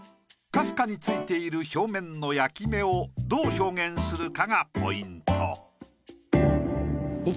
かすかに付いている表面の焼き目をどう表現するかがポイント。